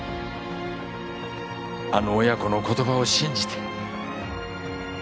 あの親子の言葉を信じて。